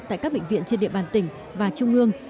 tại các bệnh viện trên địa bàn tỉnh và trung ương